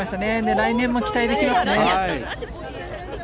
来年も期待できますね。